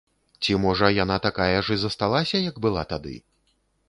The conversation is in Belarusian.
Ці можа яна такая ж і засталася, як была тады?